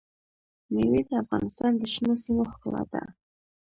مېوې د افغانستان د شنو سیمو ښکلا ده.